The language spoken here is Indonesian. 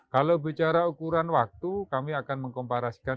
kalau bicara ukuran waktu kami akan mengkomparasikan